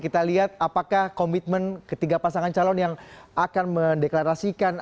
kita lihat apakah komitmen ketiga pasangan calon yang akan mendeklarasikan